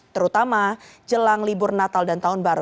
terutama jelang libur natal dan tahun baru